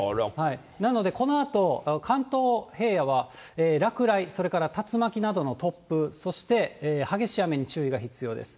なので、このあと、関東平野は落雷、それから竜巻などの突風、そして激しい雨に注意が必要です。